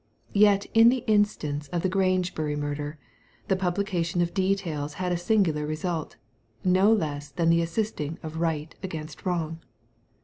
Yet in the instance of the Grangebury murder, the publication of details had a singular result : no less than the assisting of right against wrong.